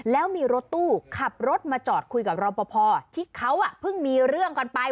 แล้วมีรถตู้ขับรถมาจอดคุยกับรอปภที่เขาเพิ่งมีเรื่องกันไป